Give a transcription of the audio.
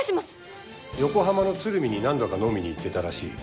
横浜の鶴見に何度か飲みに行ってたらしい。